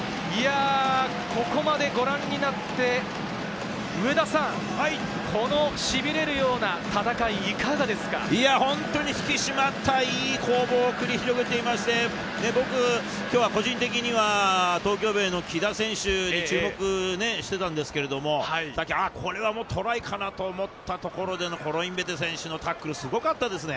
ここまでご覧になって、上田さん、このしびれるような戦い、いかが本当に引き締まったいい攻防を繰り広げていまして、僕、きょうは個人的には東京ベイの木田選手に注目してたんですけれども、さっきもあ、これはもうトライかなと思ったところでのコロインベテ選手のタックル、すごかったですね。